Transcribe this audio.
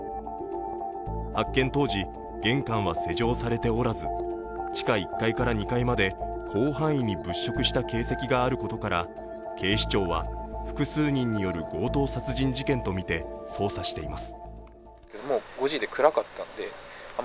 発見当時、玄関は施錠されておらず地下１階から２階まで広範囲に物色した形跡があることから警視庁は複数人による強盗殺人事件とみて捜査しています。